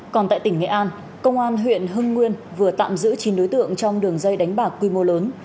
còn tại tỉnh nghệ an công an huyện hưng nguyên vừa tạm giữ chín đối tượng trong đường dây đánh bạc quy mô lớn